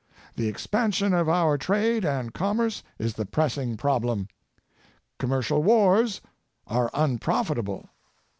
The expan sion of our trade and commerce is the pressing prob lem. Commercial wars are unprofitable.